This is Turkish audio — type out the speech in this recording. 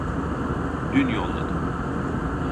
Dün yolladım